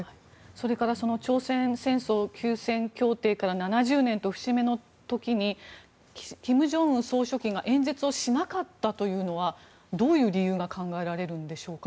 それから朝鮮戦争休戦協定から７０年と節目の時に金正恩総書記が演説をしなかったというのはどういう理由が考えられるんでしょうか？